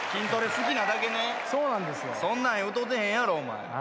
そんなん歌うてへんやろお前。